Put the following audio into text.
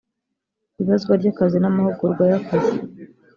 ibazwa ry akazi n amahugurwa y akazi